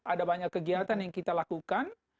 ada banyak kegiatan yang kita lakukan